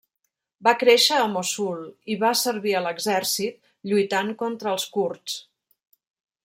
Va créixer a Mossul i va servir a l'exèrcit lluitant contra els kurds.